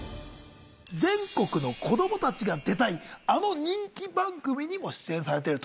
全国の子供たちが出たいあの人気番組にも出演されてると。